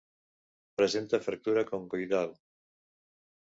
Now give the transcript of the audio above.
Presenta fractura concoidal.